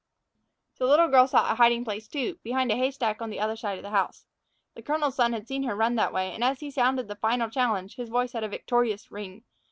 The little girl sought a hiding place, too, behind a hay stack on the other side of the house. The colonel's son had seen her run that way, and as he sounded the final challenge his voice had a victorious ring.